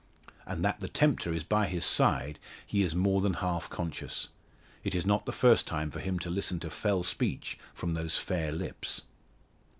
And that the tempter is by his side he is more than half conscious. It is not the first time for him to listen to fell speech from those fair lips.